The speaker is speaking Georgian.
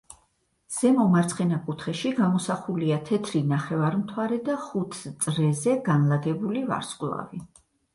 ზემო მარცხენა კუთხეში გამოსახულია თეთრი ნახევარმთვარე და ხუთი წრეზე განლაგებული ვარსკვლავი.